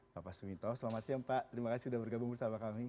bapak suminto selamat siang pak terima kasih sudah bergabung bersama kami